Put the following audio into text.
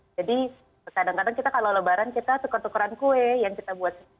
jadi kadang kadang kita kalau lebaran kita tukar tukaran kue yang kita buat